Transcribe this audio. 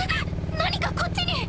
何かこっちに！